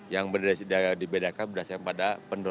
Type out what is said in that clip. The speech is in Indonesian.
yang berbeda dibedakan berdasarkan pada penduduk